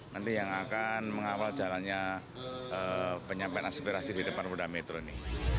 nanti yang akan mengawal jalannya penyampaian aspirasi di depan polda metro ini